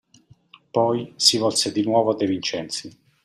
Poi si volse di nuovo a De Vincenzi.